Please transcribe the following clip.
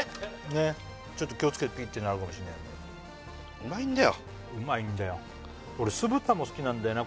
ねっちょっと気を付けてピッてなるかもしんないからうまいんだようまいんだよ俺酢豚も好きなんだよな